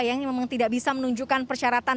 yang memang tidak bisa menunjukkan persyaratan